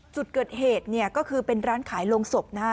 จุดเกิดเหตุก็คือเป็นร้านขายลงศพนะครับ